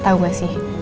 tau gak sih